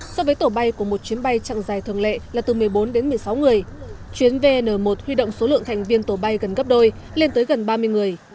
so với tổ bay của một chuyến bay chặng dài thường lệ là từ một mươi bốn đến một mươi sáu người chuyến vn một huy động số lượng thành viên tổ bay gần gấp đôi lên tới gần ba mươi người